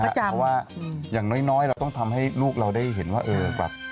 เพราะว่าอย่างน้อยเราต้องทำให้ลูกเราได้เห็นว่า